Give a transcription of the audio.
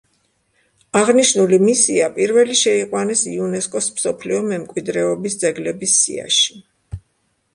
აღნიშნული მისია პირველი შეიყვანეს იუნესკოს მსოფლიო მემკვიდრეობის ძეგლების სიაში.